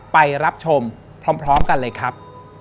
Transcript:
ไปรับชมพร้อมกันเลยครับ